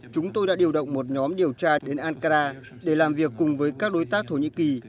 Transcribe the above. chúng tôi đã điều động một nhóm điều tra đến ankara để làm việc cùng với các đối tác thổ nhĩ kỳ